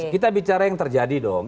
kita bicara yang terjadi dong